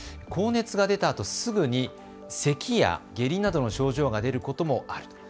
高熱が出たあとすぐにせきや下痢などの症状が出ることもある。